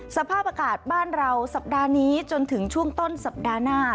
สภาพอากาศบ้านเราสัปดาห์นี้จนถึงช่วงต้นสัปดาห์หน้า